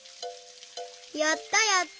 やったやった！